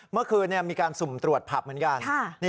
เมื่อคืนมีการสุ่มตรวจผับเหมือนกัน